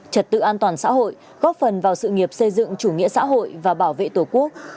trật tự an toàn xã hội góp phần vào sự nghiệp xây dựng chủ nghĩa xã hội và bảo vệ tổ quốc